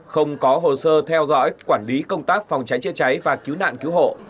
không có hồ sơ theo dõi quản lý công tác phòng cháy chữa cháy và cứu nạn cứu hộ